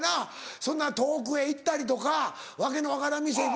そんな遠くへ行ったりとか訳の分からん店行くのが。